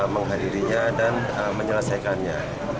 menghadirinya dan menyelesaikannya